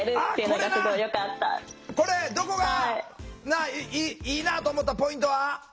これどこがいいなあと思ったポイントは？